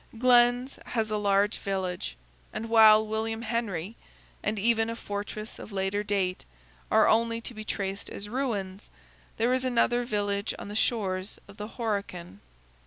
Glen's has a large village; and while William Henry, and even a fortress of later date, are only to be traced as ruins, there is another village on the shores of the Horican.